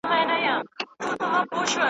چي له غاړي مي غم ایسته سی سنګین